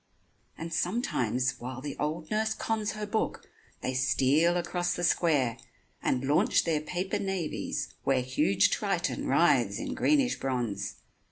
And sometimes, while the old nurse cons Her book, they steal across the square, And launch their paper navies where Huge Triton writhes in greenish bronze.